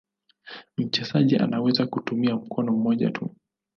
Mchezaji anaweza kutumia mkono mmoja tu.